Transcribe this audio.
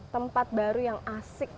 tempat baru yang asik